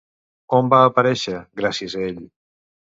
On va aparèixer, gràcies a ell?